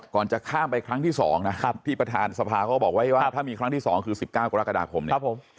จะข้ามไปครั้งที่๒นะครับที่ประธานสภาเขาก็บอกไว้ว่าถ้ามีครั้งที่๒คือ๑๙กรกฎาคมเนี่ย